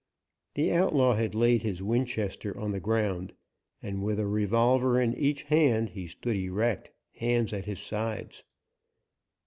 The outlaw had laid his Winchester on the ground, and with a revolver in each hand, he stood erect, hands at his sides.